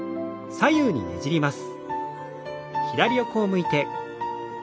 左右にねじります。